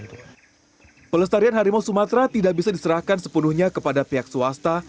siapa plus poinnya jumpa di hal lain pleasure ini mbak sumatera